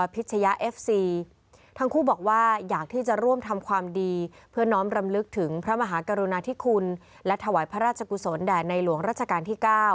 ภึกถึงพระมหากรุณาธิคุณและถวายพระราชกุศลแด่ในหลวงราชการที่๙